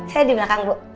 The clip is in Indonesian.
saya di belakang bu